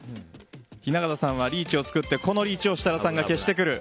雛形さんはリーチを作ってこのリーチを設楽さんが消してくる。